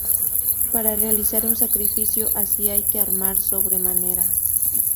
Para realizar un sacrificio así hay que amar sobremanera.